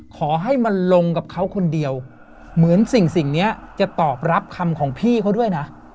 ขอให้มันลงกับเขาคนเดียวเหมือนสิ่งนี้จะตอบรับคำของพี่เขาด้วยนะ